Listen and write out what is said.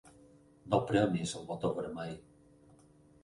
No premis el botó vermell!